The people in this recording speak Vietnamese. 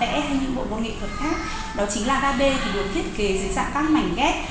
hay những bộ bộ nghệ thuật khác đó chính là kb được thiết kế dưới dạng các mảnh ghép